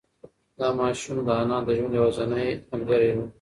دا ماشوم د انا د ژوند یوازینۍ ملګری و.